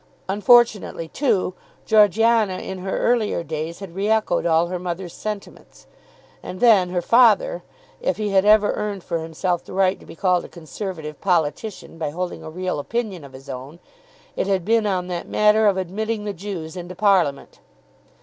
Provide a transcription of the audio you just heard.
Unfortunately, too, Georgiana in her earlier days had re echoed all her mother's sentiments. And then her father, if he had ever earned for himself the right to be called a Conservative politician by holding a real opinion of his own, it had been on that matter of admitting the Jews into parliament.